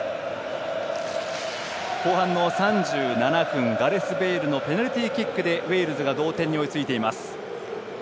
後半の３７分、ガレス・ベイルのペナルティーキックでウェールズが同点に追いついています。